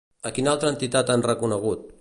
A quina altra entitat han reconegut?